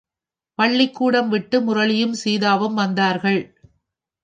பள்ளிக்கூடம் விட்டு முரளியும், சீதாவும் வந்தார்கள்.